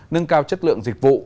nâng cao chất lượng dịch vụ